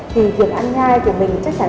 thì việc ăn ngai của mình chắc chắn